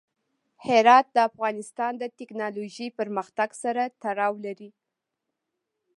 هرات د افغانستان د تکنالوژۍ پرمختګ سره تړاو لري.